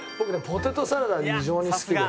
ポテトサラダ異常に好きで。